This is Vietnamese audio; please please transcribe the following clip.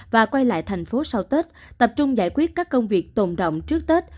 và quay lại thành phố sau tết tập trung giải quyết các công việc tồn động trước tết